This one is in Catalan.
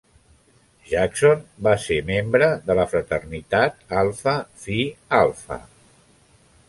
Jackson va ser membre de la fraternitat Alpha Phi Alpha.